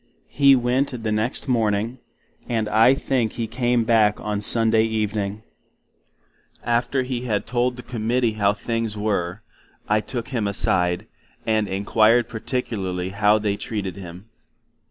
He went the next morning; and I think he came back on Sunday evening. After He had told the Committee how things were, I took him a side, and inquired particularly how they treated him?